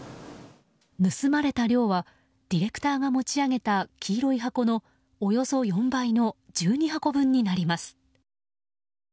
盗まれた量はディレクターが持ち上げた黄色い箱のおよそ４倍の１２箱分になります。